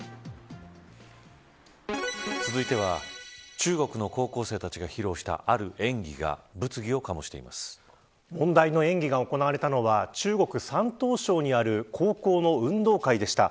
続いては中国の高校生たちが披露した問題の演技が行われたのは中国・山東省にある高校の運動会でした。